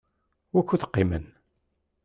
Wukud qimen?